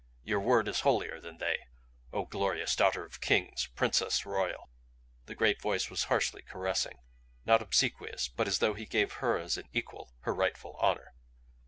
Your word is holier than they O glorious daughter of kings, princess royal!" The great voice was harshly caressing; not obsequious, but as though he gave her as an equal her rightful honor.